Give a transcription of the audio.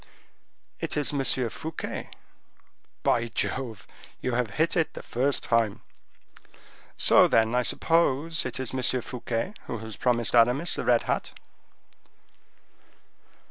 "It is M. Fouquet." "Jove! you have hit it the first time." "So, then, I suppose it is M. Fouquet who has promised Aramis the red hat."